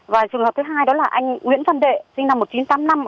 và trường hợp thứ hai đó là anh nguyễn văn đệ sinh năm một nghìn chín trăm tám mươi năm